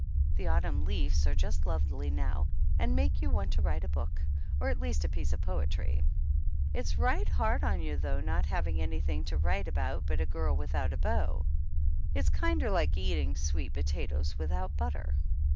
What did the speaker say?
The autumn leaves are just lovely now and make you want to write a book, or at least a piece of poetry. It's right hard on you, though, 151 THE ANNALS OF ANN not to have anything to write about but a girl without a beau. It's kinder like eating sweet potatoes without butter.